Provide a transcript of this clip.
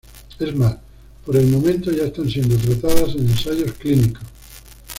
Es más, por el momento, ya están siendo tratadas en ensayos clínicos.